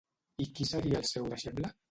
I qui seria el seu deixeble?